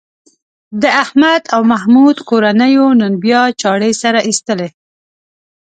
د احمد او محمود کورنیو نن بیا چاړې سره ایستلې.